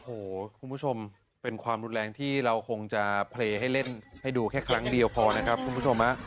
โอ้โหคุณผู้ชมเป็นความรุนแรงที่เราคงจะเพลย์ให้เล่นให้ดูแค่ครั้งเดียวพอนะครับคุณผู้ชม